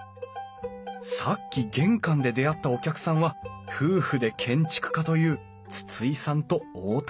さっき玄関で出会ったお客さんは夫婦で建築家という筒井さんと太田さん。